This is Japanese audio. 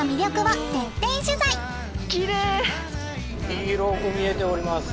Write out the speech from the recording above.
黄色く見えております